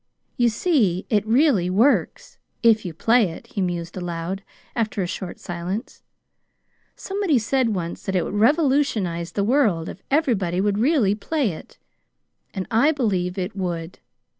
"You see, it really WORKS, if you play it," he mused aloud, after a short silence. "Somebody said once that it would revolutionize the world if everybody would really play it. And I believe it would."